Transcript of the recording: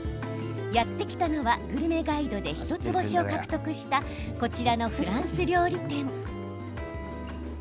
やって来たのはグルメガイドで一つ星を獲得したこちらのフランス料理店。